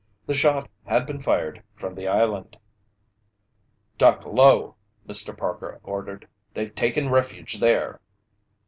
The shot had been fired from the island. "Duck low!" Mr. Parker ordered. "They've taken refuge there!"